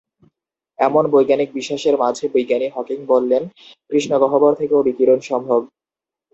এমন বৈজ্ঞানিক বিশ্বাসের মাঝে বিজ্ঞানী হকিং বললেন কৃষ্ণগহ্বর থেকেও বিকিরণ সম্ভব।